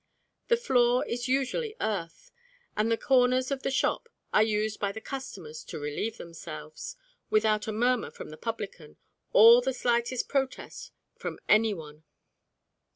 The floor is usually earth, and the corners of the shop are used by the customers to relieve themselves, without a murmur from the publican or the slightest protest from any one.